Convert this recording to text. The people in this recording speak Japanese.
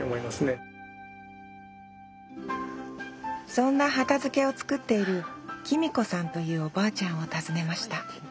そんな畑漬をつくっているキミ子さんというおばあちゃんを訪ねました